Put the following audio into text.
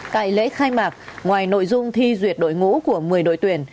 tại lễ khai mạc ngoài nội dung thi duyệt đội ngũ của một mươi đội tuyển